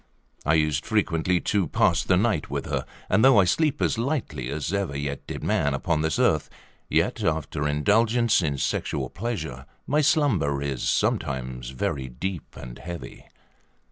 I used frequently to pass the night with her; and though I sleep as lightly as ever yet did man upon this earth, yet, after indulgence in sexual pleasure, my slumber is sometimes very deep and heavy.